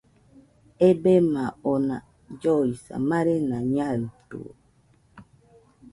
Ebema ona lloisa, marena naɨtɨo.